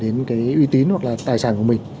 đến cái uy tín hoặc là tài sản của mình